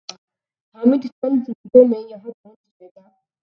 حامد چند منٹوں میں یہاں پہنچ جائے گا